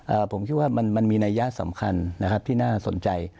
ผมคิดว่ามันมันมีนัยยะสำคัญนะครับที่น่าสนใจ